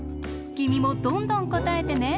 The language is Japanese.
きみもどんどんこたえてね。